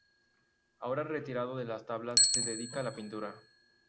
Ahora retirado de las tablas, se dedica a la pintura.